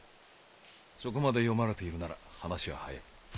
そこまで読まれているなら話は早い。